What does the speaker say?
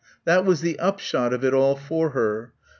That was the upshot of it all for her.